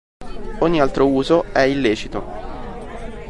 Ogni altro uso è illecito.